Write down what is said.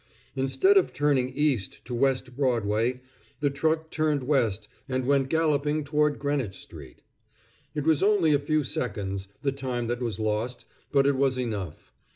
Instead of turning east to West Broadway, the truck turned west, and went galloping toward Greenwich street. It was only a few seconds, the time that was lost, but it was enough.